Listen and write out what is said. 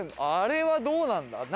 あれはどうなんだ？